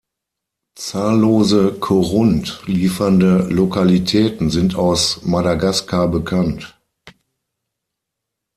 Zahllose Korund liefernde Lokalitäten sind aus Madagaskar bekannt.